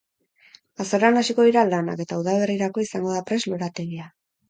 Azaroan hasiko dira lanak, eta udaberrirako izango da prest lorategia.